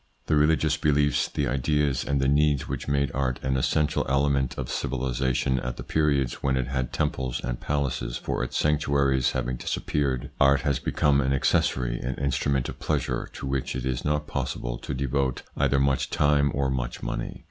The religious beliefs, the ideas and the needs which made art an essential element of civilisation at the periods when it had temples and palaces for its sanctuaries having disappeared, art has become an accessory, an instrument of pleasure to which it is not possible to devote either much time or much money.